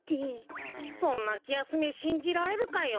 そんなきやすめしんじられるかよ。